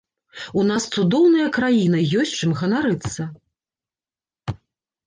У нас цудоўная краіна, ёсць чым ганарыцца.